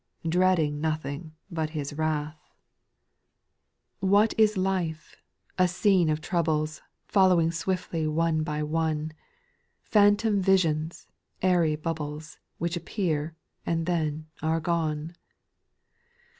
Dreading nothing but His wrath. 204 SPIRITUAL SONGS. 6. / What is life ? a scene of troubles, Following swiftly one by one ; Phantom visions — airy bubbles, Which appear, and then — are gone